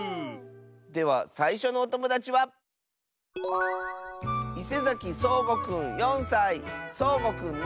ではさいしょのおともだちはそうごくんの。